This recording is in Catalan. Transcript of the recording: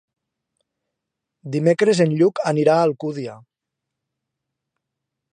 Dimecres en Lluc anirà a Alcúdia.